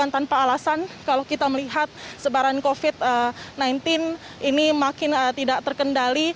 tanpa alasan kalau kita melihat sebaran covid sembilan belas ini makin tidak terkendali